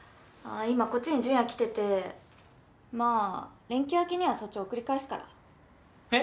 今こっちにジュンヤ来ててまぁ連休明けにはそっち送り返すからへっ？